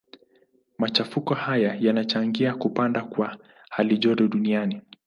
Machafuko hayo yanachangia kupanda kwa halijoto duniani.